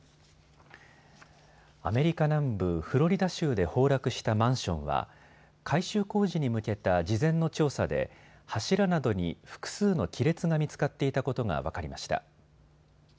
アメリカ南部フロリダ州で崩落したマンションは改修工事に向けた事前の調査で柱などに複数の亀裂が見つかっていたことが分かりました。